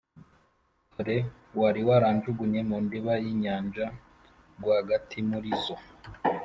dore wari waranjugunye mu ndiba y’inyanja, rwagati muri zo,